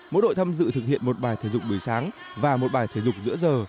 mỗi đội tham dự thực hiện một bài thể dục buổi sáng và một bài thể dục giữa giờ